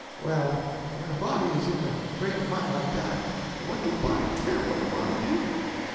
Well, when a body is in a frame o' mine like dat, what do a body care what a body do?